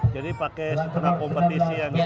jadi pakai setengah kompetisi yang gitu